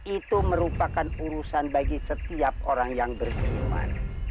itu merupakan urusan bagi setiap orang yang beriman